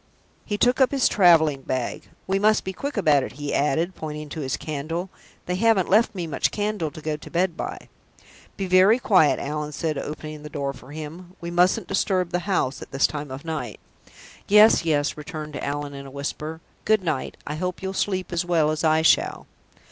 He took up his traveling bag. "We must be quick about it," he added, pointing to his candle. "They haven't left me much candle to go to bed by." "Be very quiet, Allan," said Midwinter, opening the door for him. "We mustn't disturb the house at this time of night." "Yes, yes," returned Allan, in a whisper. "Good night; I hope you'll sleep as well as I shall."